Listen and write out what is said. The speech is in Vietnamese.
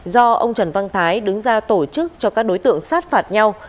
do ông trần văn thái đứng ra tổ chức cho các đối tượng sát phạt nhau